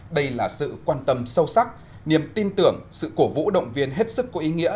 đây là sự quan tâm sâu sắc niềm tin tưởng sự cổ vũ động viên hết sức có ý nghĩa